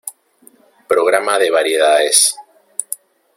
Programa de variedades".